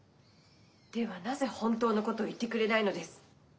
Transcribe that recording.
ではなぜ本当のことを言ってくれないのです？